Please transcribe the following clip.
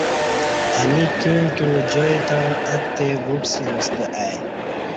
انی کیوع کیوع جائ تݩع اتہے ووپسنستہ ای